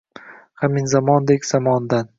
Hamzindondek zamondan.